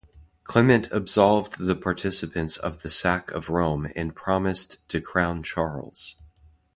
Clement absolved the participants of the sack of Rome and promised to crown Charles.